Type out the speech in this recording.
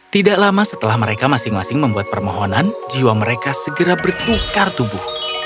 tidak lama setelah mereka masing masing membuat permohonan jiwa mereka segera bertukar tubuh